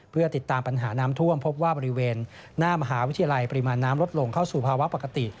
เพื่อติดตามปัญหาน้ำท่วมพบว่าบริเวณหน้ามหาวิทยาลัยปริมาณน้ำลดลงเข้าสู่ภาวะปกติ